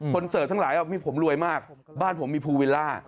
เสิร์ตทั้งหลายผมรวยมากบ้านผมมีภูวิลล่า